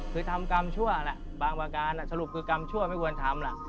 คือทำกรรมชั่วน่ะสรุปคือกรรมชั่วไม่ว่าทำ